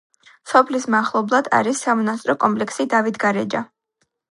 სოფლის მახლობლად არის სამონასტრო კომპლექსი დავითგარეჯა.